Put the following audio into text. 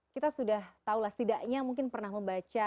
kita sudah tahulah setidaknya mungkin pernah membaca